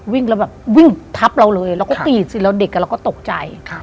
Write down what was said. วิ่งแล้วแบบวิ่งทับเราเลยเราก็ตีดสิแล้วเด็กเราก็ตกใจ